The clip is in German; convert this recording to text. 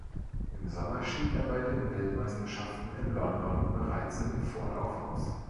Im Sommer schied er bei den Weltmeisterschaften in London bereits im Vorlauf aus.